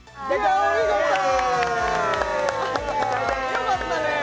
よかったね